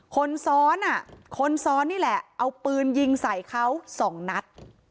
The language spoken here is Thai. คนซ้อนอ่ะคนซ้อนนี่แหละเอาปืนยิงใส่เขาสองนัด